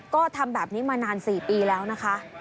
ก็ทำแบบนี้มานาน๔ปีแล้วนะคะ